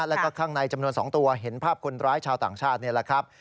แล้วก็ข้างในจำนวน๒ตัวเห็นภาพคนร้ายชาวต่างชาตินี่แหละครับ